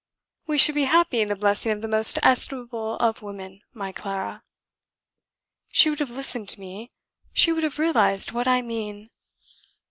"We should be happy in the blessing of the most estimable of women, my Clara." "She would have listened to me. She would have realized what I mean."